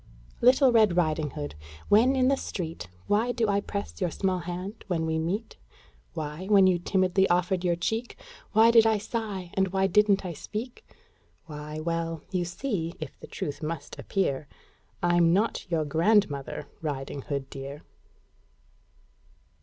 Little Red Riding Hood, when in the street, Why do I press your small hand when we meet? Why, when you timidly offered your cheek, Why did I sigh, and why didn't I speak? Why, well: you see if the truth must appear I'm not your grandmother, Riding Hood, dear!